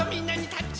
タッチ！